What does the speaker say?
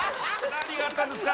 ・何があったんですか？